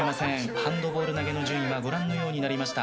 ハンドボール投げの順位はご覧のようになりました。